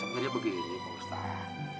sebenernya begini pak ustadz